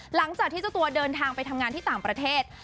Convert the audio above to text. หลังจากที่เจ้าตัวเดินทางไปทำงานที่ต่างประเทศ